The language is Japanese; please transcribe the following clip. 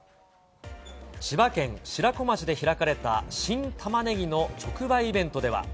千葉県白子町で開かれた新たまねぎの直売イベントでは。